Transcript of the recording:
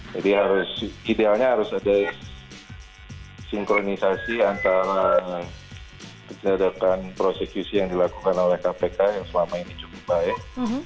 jadi harus idealnya harus ada sinkronisasi antara kejadakan prosekusi yang dilakukan oleh kpk yang selama ini cukup baik